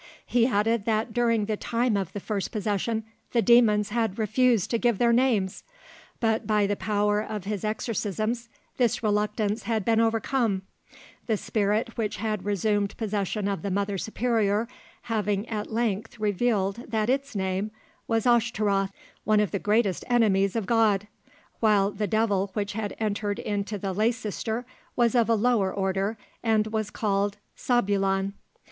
He added that during the time of the first possession the demons had refused to give their names, but by the power of his exorcisms this reluctance had been overcome, the spirit which had resumed possession of the mother superior having at length revealed that its name was Ashtaroth, one of the greatest enemies of God, while the devil which had entered into the lay sister was of a lower order, and was called Sabulon.